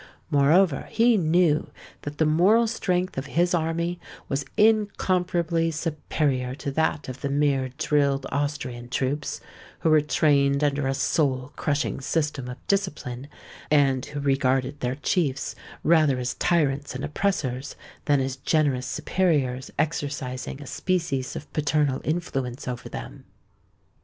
Moreover, he knew that the moral strength of his army was incomparably superior to that of the mere drilled Austrian troops, who were trained under a soul crushing system of discipline, and who regarded their chiefs rather as tyrants and oppressors than as generous superiors exercising a species of paternal influence over them.